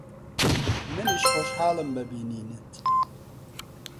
منیش خۆشحاڵم بە بینینت.